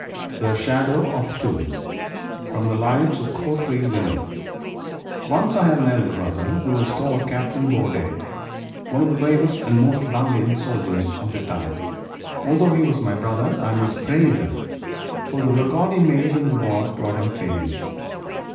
THE SHADOW OF A TOMB From 'Lives of Courtly Women' Once I had an elder brother who was called Captain Bourdeille, one of the bravest and most valiant soldiers of his time. Although he was my brother, I must praise him, for the record he made in the wars brought him fame.